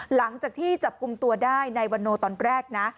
หลังจากที่จับกลุ่มตัวได้ในวันโนตอนแรกนะ